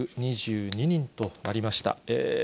９２２人となりました。